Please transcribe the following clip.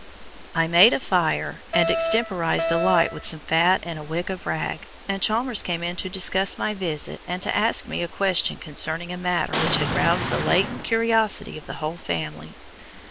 I made a fire, and extemporized a light with some fat and a wick of rag, and Chalmers came in to discuss my visit and to ask me a question concerning a matter which had roused the latent curiosity of the whole family.